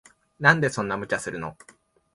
なんでそんな無茶すんの。